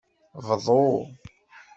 Bḍu.